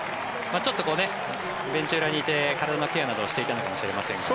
ちょっとベンチ裏にいて体のケアなどをしていたのかもしれませんが。